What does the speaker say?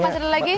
masih ada lagi